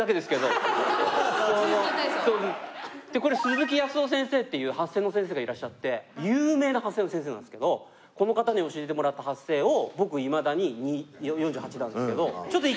鈴木康夫先生っていう発声の先生がいらっしゃって有名な発声の先生なんですけどこの方に教えてもらった発声を僕いまだに４８なんですけど。